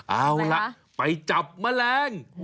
เอาล่ะไปจับแมลง